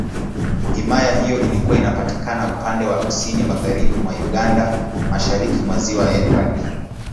Himaya hiyo ilikuwa inapatikana upande wa Kusini Magharibi mwa Uganda, Mashariki mwa Ziwa Edward.